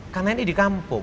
karena ini di kampung